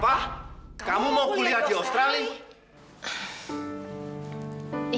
wah kamu mau kuliah di australia